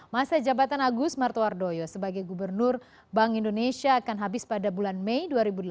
masa jabatan agus martowardoyo sebagai gubernur bank indonesia akan habis pada bulan mei dua ribu delapan belas